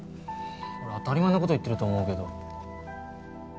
俺当たり前の事言ってると思うけど。